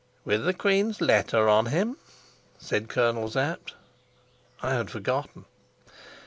"With the queen's letter on him," said Colonel Sapt. I had forgotten.